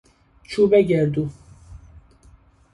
چوب گردو